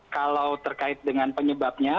kalau terkait dengan penyebabnya